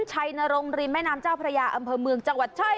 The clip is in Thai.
ชัยนรงริมแม่น้ำเจ้าพระยาอำเภอเมืองจังหวัดใช่